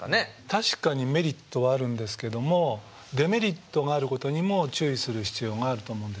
確かにメリットはあるんですけどもデメリットがあることにも注意する必要があると思うんです。